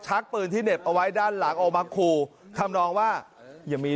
ปืนที่เหน็บเอาไว้ด้านหลังออกมาขู่ทำนองว่าอย่ามี